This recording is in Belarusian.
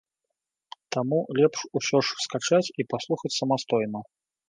Таму лепш усё ж скачаць і паслухаць самастойна.